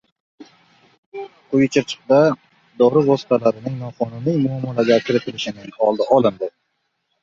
Quyichirchiqda dori vositalarining noqonuniy muomalaga kiritilishining oldi olindi